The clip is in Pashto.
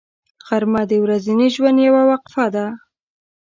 غرمه د ورځني ژوند یوه وقفه ده